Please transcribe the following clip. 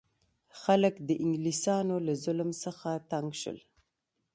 خلک د انګلیسانو له ظلم څخه تنګ شول.